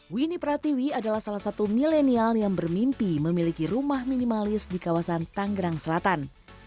winnie pratiwi adalah salah satu milenial yang bermimpi memiliki rumah minimalis di kawasan tanggerang selatan